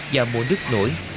vào mùa nước nổi